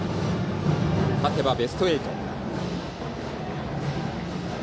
勝てばベスト８。